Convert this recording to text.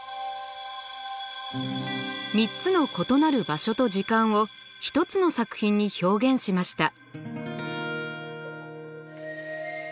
３つの異なる場所と時間を一つの作品に表現しました。